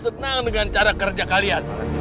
senang dengan cara kerja kalian